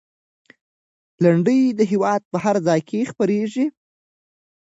لنډۍ د هېواد په هر ځای کې خپرېږي.